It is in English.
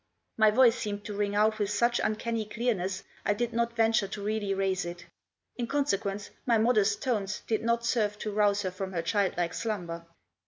My voice seemed to ring out with such uncanny clearness I did not venture to really raise it. In conse quence my modest tones did not serve to rouse her from her childlike slumber.